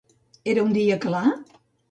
Era un dia clar?